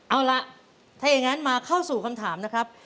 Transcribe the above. เอาล่ะถ้าอย่างนั้นมาเข้าสู่คำถามนะครับ